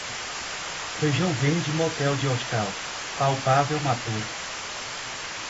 Feijão verde e motel de hostal, palpável maduro.